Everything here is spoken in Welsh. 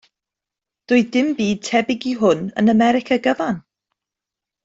Doedd dim byd tebyg i hwn yn America gyfan.